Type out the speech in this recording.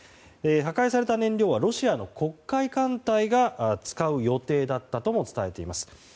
破壊された燃料はロシアの黒海艦隊が使う予定だったとも伝えています。